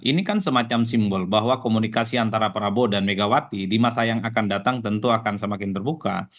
ini kan semacam simbol bahwa komunikasi antara prabowo dan megawati di masa yang akan datang tentu akan semakin terbuka